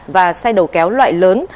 và xe đầu kéo loại lớn